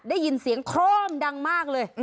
ได้ยินเสียงโคร่มดังมากเลย